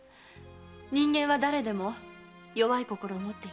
人間は誰でも弱い心を持っています。